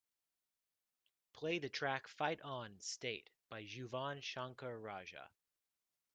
Play the track Fight On, State by Yuvan Shankar Raja